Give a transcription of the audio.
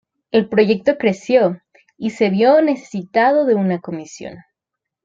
El proyecto creció, y se vio necesitado de una Comisión.